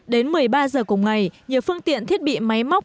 đến một mươi ba giờ cùng ngày nhiều phương tiện thiết bị máy móc